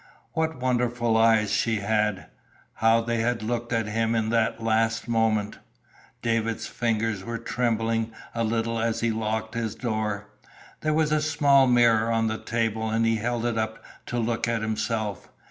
What wonderful eyes she had! How they had looked at him in that last moment! David's fingers were trembling a little as he locked his door. There was a small mirror on the table and he held it up to look at himself.